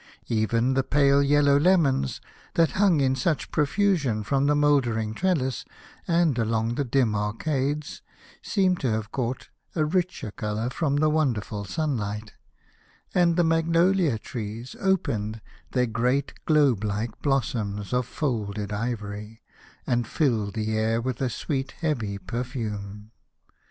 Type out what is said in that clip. Even the pale yellow lemons, that hung in such profusion from the mouldering trellis and along the dim arcades, seemed to have caught a richer colour from the wonderful sunlight, and the magnolia trees opened their great globedike blossoms of folded ivory, and filled the air with a sweet heavy perfume.